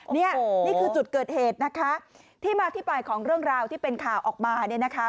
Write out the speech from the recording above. นี่นี่คือจุดเกิดเหตุนะคะที่มาที่ไปของเรื่องราวที่เป็นข่าวออกมาเนี่ยนะคะ